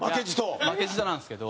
負けじとなんですけど。